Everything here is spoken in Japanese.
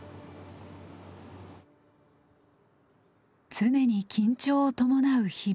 常に緊張を伴う日々。